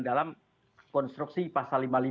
dalam konstruksi pasal lima puluh lima